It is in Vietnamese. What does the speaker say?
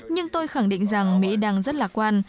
nhưng tôi khẳng định rằng mỹ đang rất lạc quan